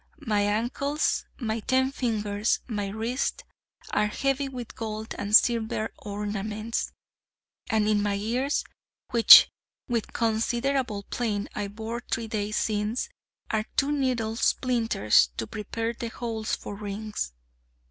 My ankles my ten fingers my wrists are heavy with gold and silver ornaments; and in my ears, which, with considerable pain, I bored three days since, are two needle splinters, to prepare the holes for rings.